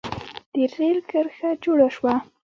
د رېل کرښه جوړه شوه.